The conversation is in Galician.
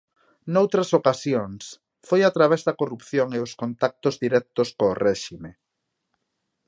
Noutras ocasións, foi a través da corrupción e os contactos directos co réxime.